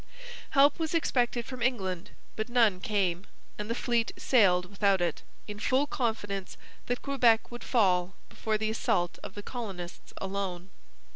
Help was expected from England, but none came, and the fleet sailed without it, in full confidence that Quebec would fall before the assault of the colonists alone.